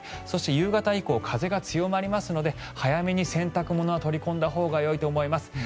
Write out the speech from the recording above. そして夕方以降風が強まりますので早めに洗濯物は取り込んだほうがよいと思います